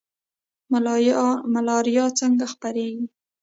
ملاریا څنګه خپریږي؟